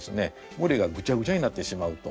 むれがぐちゃぐちゃになってしまうと。